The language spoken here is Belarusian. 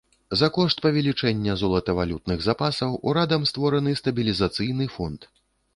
За кошт павелічэння золатавалютных запасаў урадам створаны стабілізацыйны фонд.